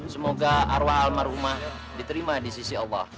semoga arwah almarhumah diterima di sisi allah